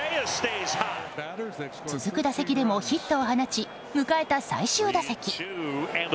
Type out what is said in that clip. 続く打席でもヒットを放ち迎えた最終打席。